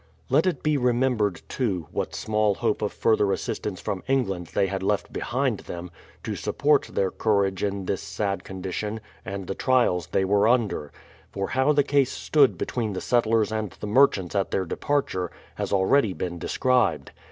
Let it be remembered, too, what small hope of further assistance from England they had left behind them, to support their courage in this sad condition and the trials they were under; for how the case stood between the settlers and the merchants at their departure has already been described.